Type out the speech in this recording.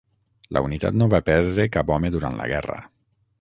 La unitat no va perdre cap home durant la guerra.